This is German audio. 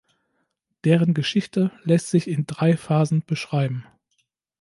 Deren Geschichte lässt sich in drei Phasen beschreiben.